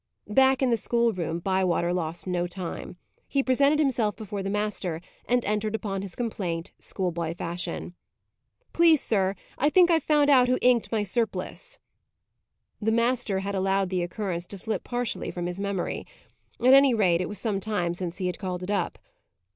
Back in the school room, Bywater lost no time. He presented himself before the master, and entered upon his complaint, schoolboy fashion. "Please, sir, I think I have found out who inked my surplice." The master had allowed the occurrence to slip partially from his memory. At any rate, it was some time since he had called it up.